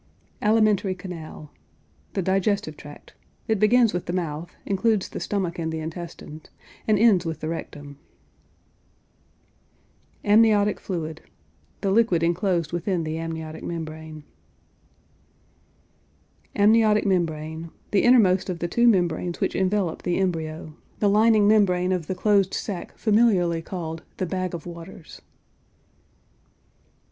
ALIMENTARY CANAL. The digestive tract. It begins with the mouth, includes the stomach and the intestines, and ends with the rectum. AMNIOTIC FLUID. The liquid inclosed within the amniotic membrane. AMNIOTIC MEMBRANE. The innermost of the two membranes which envelop the embryo; the lining membrane of the closed sac familiarly called "the bag of waters."